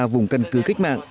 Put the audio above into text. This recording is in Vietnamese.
vùng cân cứ kích mạng